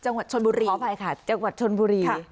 ก็ไปค่ะจังหวัดชนบุรี